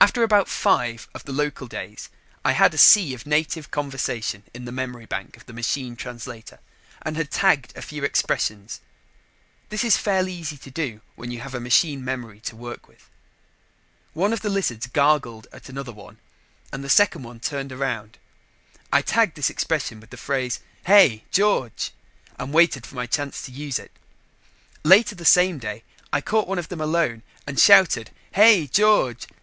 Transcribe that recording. After about five of the local days, I had a sea of native conversation in the memory bank of the machine translator and had tagged a few expressions. This is fairly easy to do when you have a machine memory to work with. One of the lizards gargled at another one and the second one turned around. I tagged this expression with the phrase, "Hey, George!" and waited my chance to use it. Later the same day, I caught one of them alone and shouted "Hey, George!"